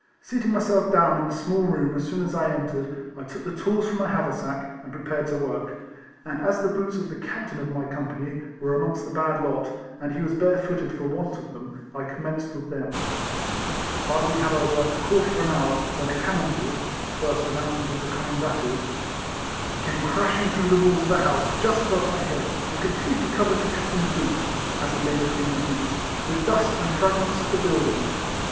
Seating my self down in a small room as soon as I en tered, I took the tools from my haversack and prepared to work ; and as the boots of the Captain of my Company, were amongst the bad lot, and he was bare footed for want of them, I commenced with thein. Hardly had I worked a quarter of an hour, when a cannon ball (the hrst an nouncement of the coming battle) came D 2 52 EECOLLECTIONS OF crashing through the walls of the house, just above my head, and completely covered the Captain's boot (as it lay between my knees) with dust and fragments of the building.